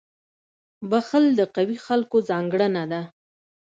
• بخښل د قوي خلکو ځانګړنه ده.